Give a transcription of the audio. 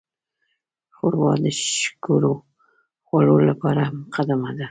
ښوروا د شګوړو خوړو لپاره مقدمه ده.